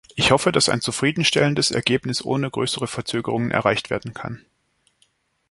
Ich hoffe, dass ein zufriedenstellendes Ergebnis ohne große Verzögerungen erreicht werden kann.